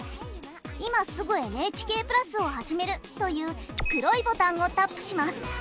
「今すぐＮＨＫプラスをはじめる」という黒いボタンをタップします。